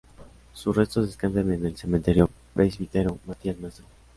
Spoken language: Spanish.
Sus restos descansan en el Cementerio Presbítero Matías Maestro.